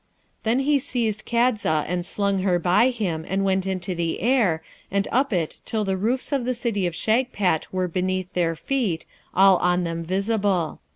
Then he seized Kadza, and slung her by him, and went into the air, and up it till the roofs of the City of Shagpat were beneath their feet, all on them visible.